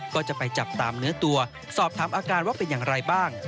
ก็จะไปจับตามเนื้อตัวสอบถามอาการว่าเป็นอย่างไรบ้าง